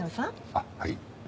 あっはい。